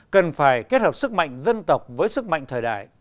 cần phải kết hợp sức mạnh dân tộc với sức mạnh thời đại